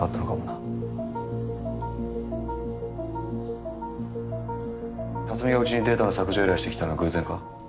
辰巳がうちにデータの削除依頼をしてきたのは偶然か？